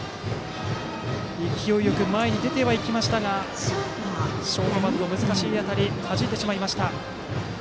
勢いよく前に出てはいきましたがショートバウンドの難しい当たりはじきました。